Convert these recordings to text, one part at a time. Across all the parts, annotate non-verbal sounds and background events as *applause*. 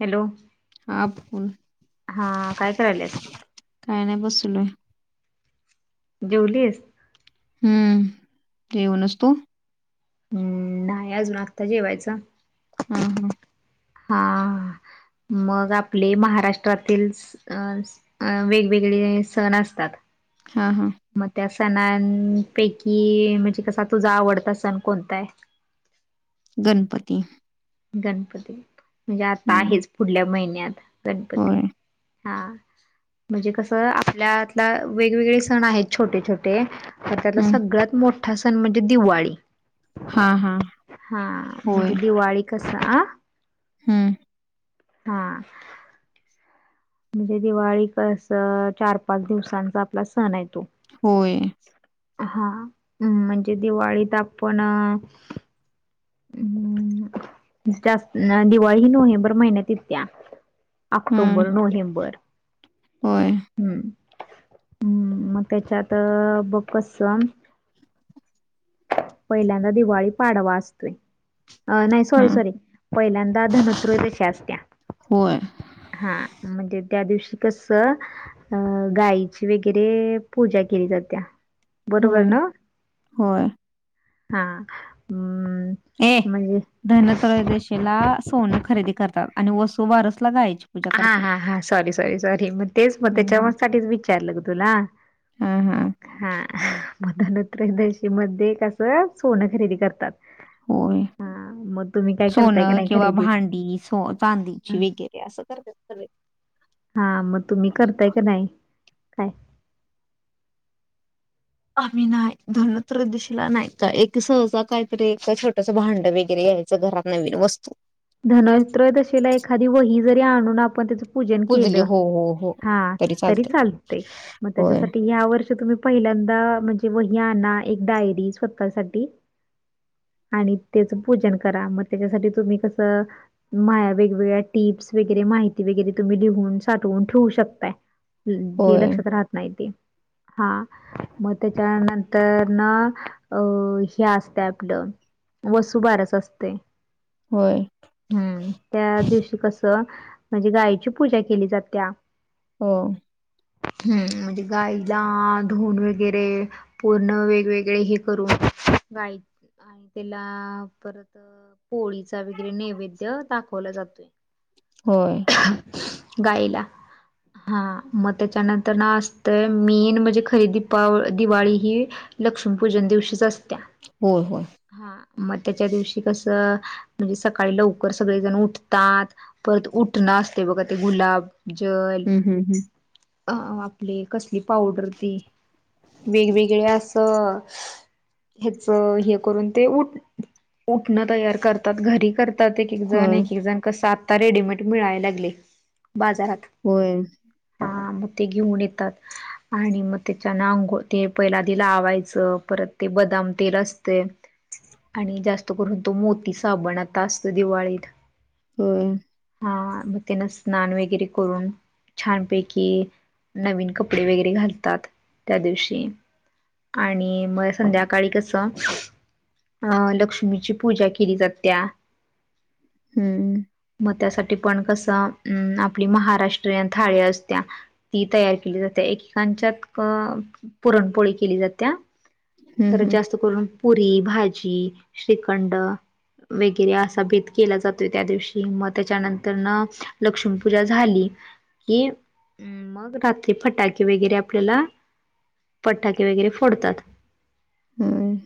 Hello हा बोल हा काय करायलस कार नय बसून आय जेवलीस हम्म ते हो नस तू हम्म नाही अजून आत्ता जेवायचं हा हा हा मग आपले महाराष्ट्रातील आ अ वेगवेगळे सण असतात हा हा मग त्या सणांपैकी म्हणजे कसा तुझा आवडता सण कोणता आहे गणपती गणपती म्हणजे आता हम्म आहेच पुढल्या महिन्यात गणपती होय हा म्हणजे कसं आपल्यातला वेगवेगळे सण आहेत छोटे छोटे हा त्यातला हम्म सगळ्यात मोठा सण म्हणजे दिवाळी हा होय म्हणजे दिवाळी कस हां हा म्हणजे दिवाळी कसं चार पाच दिवसांचा आपला सण य तो होय हा् म्हणजे दिवाळीत आपण हम्म जास्त दिवाळी ही नोव्हेंबर महिन्यात यत्या हम्म ऑक्टोबर नोव्हेंबर होय हम्म हम्म मग त्याच्यात बघस पहिल्यांदा दिवाळी पाडवा असतोय अ नाही सॉरी हम्म सॉरी पहिल्यांदा धनुत्रयदशि असत्या होय हा म्हणजे त्या दिवशी कसं अ गाईची वगैरे पूजा केली जात्या बरोबर होय ना होय हा ये म्हणजे धनत्रयदेशीला सोनं खरेदी करतात आणि वस्ू बारस ला गायची पूजा हा करतात हा हा सॉरी सॉरी सॉरी मग तेच मग हम्म त्याच्या म हम्म साठीच विचारलं ग तुला हा हा ब हा मधनोत्रयदशी मध्ये कसं सोनं खरेदी करतात होय हा मग तुम्ही काय करताय का सोनं नाही किंवा खरेदी भांडी सो चांदी वगैरे असं करते हा मग तुम्ही करताय का नाही काय आम्ही नाही धनुत्र दिशला नाही का एक सहज काहीतरी छोटस भांड वगैरे यायचं घरात नवीन वस्तू धनत्रय दशला एखादी वही जरी आणून आपण त्या पूजन पुजली केलं हो हो हो हा तरी चालतय चालत मग होय त्याच्यासाठी या वर्ष तुम्ही पहिल्यांदा म्हणजे वही आण एक डायरी स्वतःसाठी आणि त्याच पूजन करा मग त्याच्यासाठी तुम्ही कसं मा ह्या वेगवेगळ्या टिप्स वगैरे माहिती वगैरे तुम्ही लिहून साठवून ठेवू शकताय ह्म्म जे होय लक्षात राहत नाही ते हा मग त्याच्यानंतर ना अ हे असते आपलं वसु बारसअसते. होय. हम्म त्या दिवशी कसं म्हणजे गायची पूजा केली जातत्या. हो. हम्म! म्हणजे गायला धुन वगैरे पूर्ण वेगवेगळे हे करून गाय आणि त्याला परत पोळीचा नैवेद्य दाखवले जातो. होय. गाईला. हा मग त्याच्यानंतर ना असतंय मीन म्हणजे खरी दीपाव दिवाळी ही. लक्ष्मीपूजन दिवशीच असत्या. हो हो. हा मग त्याच्या दिवशी कसं. म्हणजे सकाळी लवकर सगळेजण उठतात. परत उठणं असते बघा ते गुलाब जल हम्म हम्म अ *unintelligible* आपले कसली पावडर ती वेगवेगळे अस. हच हे करून ते उठण तयार कर त घरी करतात एक एक जण, हम्म एक एक जण कस आता रेडीमेड मिळाय लागले बाजारात. होय. ह मग ते घेऊन येतात. आणि मग त्याच्यान अंंगोळ ते पहिला आधी लावायचं परत ते बदाम तेल असते. आणि जास्त करून तो मोती साबण आता असत दिवाळीत. हो. हा मग त्याना स्नान वगैरे करून छानपैकी, नवीन कपडे वगैरे घालतात त्या दिवशी. आणि मग संध्याकाळी कस अं लक्ष्मीची पूजा केली जात त्या. हम्म! मग त्यासाठी पण कस अं आपली महाराष्ट्रीयन थाळी असत्या. ती तयार केली जाते एकेकांच्यात पुरणपोळी केली जाते. हम्म खरं हम्म जास्त करून पुरी, भाजी, श्रीखंड वगैरे असा भेद केला जातोय त्या दिवशी मग, त्याच्यानंतर न लक्ष्मीपूजा झाली. हें मग रात्री फटाके वगैरे आपल्याला पटाके वगैरे फोडतात. हाम.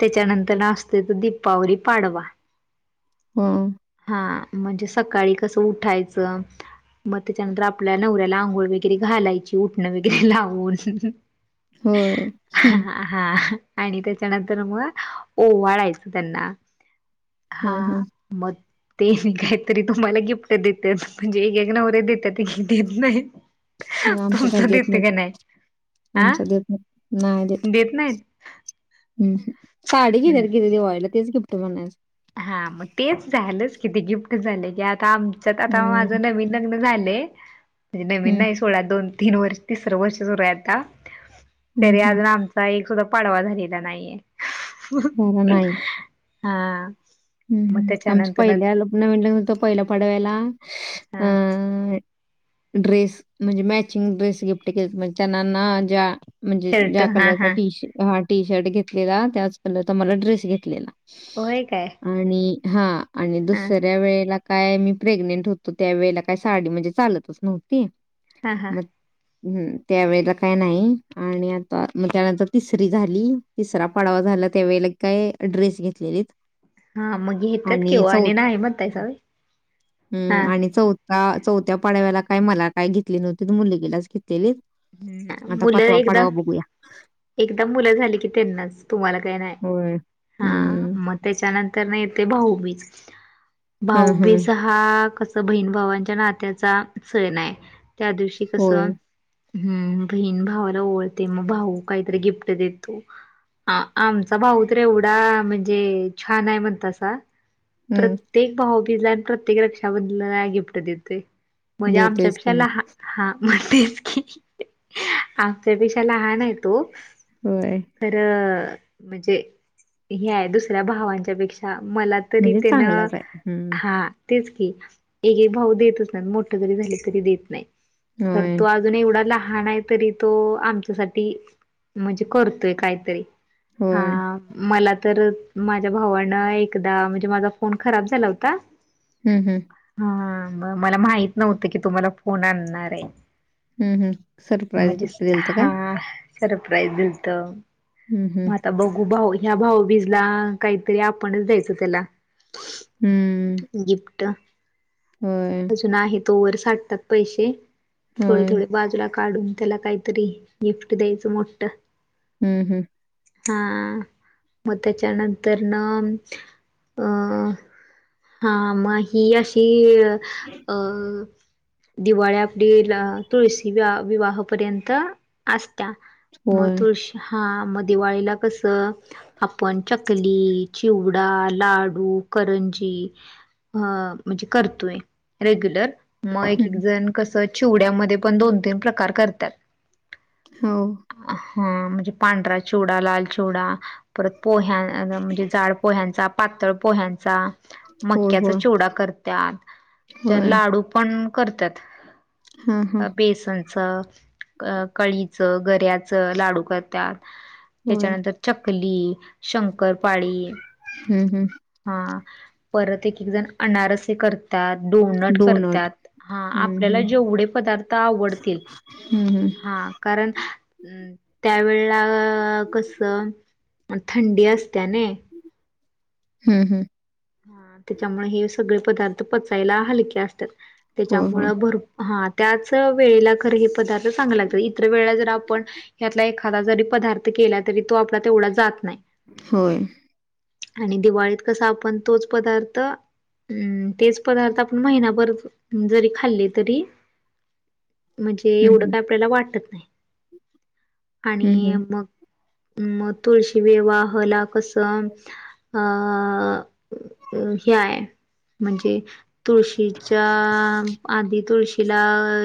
त्याच्यानंतर नाचते त दीपावली पाडवा. हो. हा म्हणजे सकाळी कसं उठायचं मग त्याच्यानंतर आपल्या नवऱ्याला आंघोळ वगैरे घालायची उठणं वगरे लावून. होय, हम्! हा आणि तेच्यानंतर म ओवाळायचं त्यांना. हा ह मग, ते काहीतरी तुम्हाला गिफ्ट देत्यात, म्हणजे एकेक नवरे देत्यात एकेक देत नाहीत. आमचं तर देत नाही, हा आमच देत नाही, नाही देत. हम् साडी कि नाहीत किती दिवायला तेच गिफ्ट बनयच. हा मग तेच झालंच किती गिफ्ट झाले की आ ता आमच्यात आता माझ हम्म नवीन लग्न झालं, म्हणे नवीन हम्म नाही सोळा दोन तीन वर्ष तिसरं वर्ष सुरू आहे आता हम्म तरी हम्म अजून आम एक सुद्धा पाडवा झालेला नाहीये झाला हा. हम्म् मग हम्म आमचं त्याच्यानंतर पहिल्या *unintelligible* नवीन लग्न होतं पहिल्या पाडव्याला हा अं ड्रेस म्हणजे मॅचिंग ड्रेस गिफ्ट केल म्हणजे त्येंनांना जा. म्हणजे शर्ट ज्या हा कलरचा हा टीश हा टी शर्ट घेतलेला त्याच कलरचा मला ड्रेस घेतलेला होय काय आणि हा आणि हा दुसऱ्या वेळेला काय मी प्रेग्नेंट होतो त्यावेेळेला काय साडी म्हणजे चालतच नव्हती हा हा मग हम्म त्या वेळेला काय नाही आणि आता म त्यानंतर तिसरी झाली तिसरा पडवा झाला त्यावेळेल काय ड्रेस घेतलेलीत हा म घेत्यात की ओ आणि नाही म्हणतायसा होय हा. का चौत्या पाडव्याला काय मला काय घितली नवतीत मुलगीलाच घितलेलीत हम्म *inaudible* मुलं एकदा एकदा मुलं झाली की त्येनांच तुम्हाला काय न्हाय होय. हा हं. म त्येच्यानंतर म येतय भाऊबीज हं, हं. भाऊबीज *unintelligible* हा आ कस बहीण भावांच्या नात्याचा सणाय त्या दिवशी होय. कसं हम्म बहीण भावाला ओवळते मग भाऊ काहीतरी गिफ्ट देतो आ आमचा भाऊ तर एवढा म्हणजे छानय म्हणतासा हं. प्रत्येक भाऊबीजला आण प्रत्येक रक्षाबधलाला गिफ्ट देतोय. म्हजे आमच्या देतोयच की पेक्षा मग. लहा हा *inaudible* तेच की आमच्यापेशा लहान हाय तो होय खरं म्हणजे हे आय दुसऱ्या भावांच्या पेक्षा मला तरी म्हणजे त्येन चांगलाच आहे. हं. हा तेच की एक एक भाऊ देतच नाही मोठ जरी झाल तरी देत नाहीत पण होय, तो आज जून एवढा लहानय तरी तो आमच्यासाठी म्हणजे करतोय कायतरी हा होय. मला तर माझ्या भावानं एकदा म्हणजे माझा फोन खराब झाला होता हम्म हम्म हम्म् म मला माहित नव्हतं की तो मला फोन आण्णाराय हम्म हम्म सरप्राईज गिप्ट दिलत काय सरप्राइज दिलंत. हं, हं. म आता बगू भाऊ ह्या भाऊबीजला काहीतरी आपणच द्यायचं त्याला हम्म गिप्ट होय *unintelligible* तोवर साठतात पैशे थोडे होय. थोडे बाजूला काढून त्याला काही तरी गिप्ट द्यायचं मोट हम्म हम्म हा म त्येच्यानंतरन अं हा म ही अशी अं दिवाळी आपली तुळशी विवाहपर्यंत असत्या. मग होय. तुळशी हा मग दिवाळीला कसं आपण चकली चिवडा लाडू करंजी अ म्हणजे करतोय रेग्युलर. मग एक हं. जण कस चिवड्यामध्ये पण दोन तीन प्रकार करतात. हो हा म्हणजे पांढरा चिवडा लाल चिवडा परत पोह्यां म्हणजे झाड पोह्यांचा पातळ पोह्यांचा होय, मक्याचा होय. चिवडा करत्यात *unintelligible* होय. लाडू पण करत्यात. हां, हां. बेसनच अं कळीचं गऱ्याचं लाडू करत्यात. होय. त्येच्यानंतर चकली शंकरपाळी हं हं. हा. परत एक एक जण अनारसे कर तात, डोनट करतात. हा हं, आपल्याला हं. जेवढे पदार्थ आवडतील हं हं. हा कारण अं त्यावेळला कस थंडी असते नई. हं हं. हा, त्याच्यामुळे हे सगळे पदार्थ पचायला हलके असतात. होय, त्याच्यामुळ होय. भर हा त्याच वेळेला खर हे पदार्थ चांगले लागतात. इतर वेळेला जर आपण यातला एखादा जरी पदार्थ केला, तरी तो आपला तेवढा जात नाही. होय. आणि दिवाळीत कस आपण तोच पदार्थ अं तेच पदार्थ आपण महिनाभर जरी खाल्ले तरी, म्हणजे हम्म एवढं हम्म काय आपल्याला वाटत नाही. हम्म आणि मग म तुळशी विवाहला कसं अ अ हे आहे. म्हणजे तुळशीच्या आधी तुळशी शीला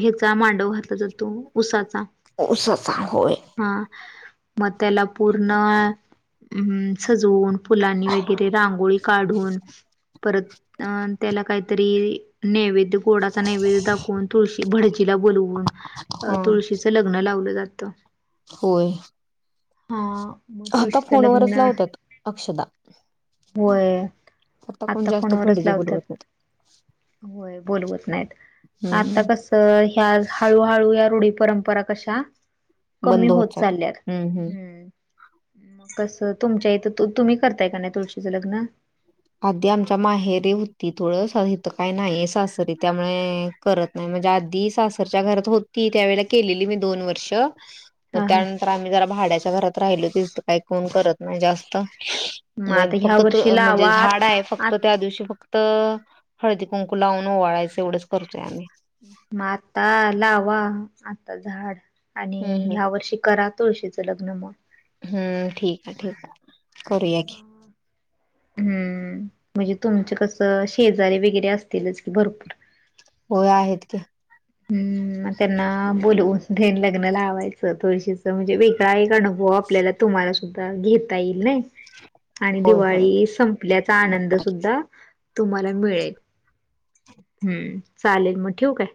ह्याचा मांडव घातला जातो उसाचा. उसाचा होय. हां, म त्याला पूर्ण हं, सजवून फुलांनी वगैरे रांग काढून परत अ त्याला काहीतरी नैवेद्य गोडाचा नैवेद्य दाखवून. तुळशी भडजीला बोलऊन हा तुळशीचं लग् ग्न लावलं जातं. होय. हा म आता तुळशीचं फोनवरच लग्न, लावतात अक्षदा होय. कोण आता जास्त फोनवरच भडजे लावतात. बोलवत नाहीत होय बोलवत नाहीत. आता हम्म कस त ह्या हळूहळू या रूढी परंपरा कशा कमी बंद होत चालत चालल्यात. हम्म हम्म हं. कसं तुमच्या इथं तू तुम्ही करताय का नाही तुळशीचं लग्न? आधी आमच्या माहेरीे होती तुळस. आता इथं काही नाहीये सासरी त्यामुळे, करत नाही. म्हणजे आधी सासरच्या घरात होती त्या वळेला केलेली मी दोन वर्ष. तर हा हा त्यानंतर आम्ही जरा भाड्याच्या घरात राहिलो. तीथ तर काही कोण करत नाही जास्त. मग नही आता ह्या फक्त तू वर्षी म्हणजे लावा झाड आहे आ फक्त. त्या दिवशी फक्त त हळदी कुंकू लावून ओवाळायचं. एवढंच करतोय आम्ही. म आता लावा आता झाड आणि हं हं. ह्या वर्षी करा तुळशीचं लग्न मग. हं. ठीक आहे ठीक आहे. करूया की. हं. म्हणजे तुमचं कसं शेजारे वगैरे असतीलच की भरपूर. होय आहेत की. हं. मग त्यांना बोलवून तेन लग्न लावायचं तुळशीच. म्हणजे वेगळा एक अनुभव हो आपल्याला तुम्हाला सुद्धा घेता येईल नाही. आणि होय होय दिवाळी सं पल्याचा आनंद सुद्धा तुम्हाला मिळेल. हं. चालेल मग ठेऊ काय?